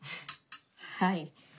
はい。